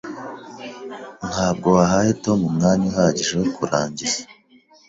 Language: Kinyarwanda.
Ntabwo wahaye Tom umwanya uhagije wo kurangiza.